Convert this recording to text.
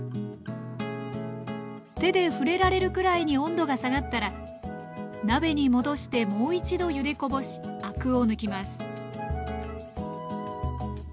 手で触れられるくらいに温度が下がったら鍋に戻してもう一度ゆでこぼしアクを抜きます